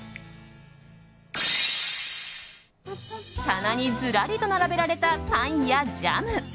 棚にずらりと並べられたパンやジャム。